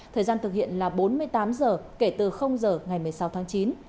thời gian thực hiện là bốn mươi tám h kể từ h ngày một mươi sáu tháng chín